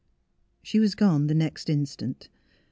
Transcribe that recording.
She was gone the next instant.